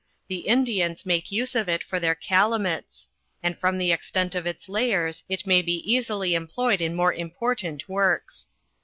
The Indians make use of it for their ealu muts; and from the extent of its layers it might be easily employed in more important works.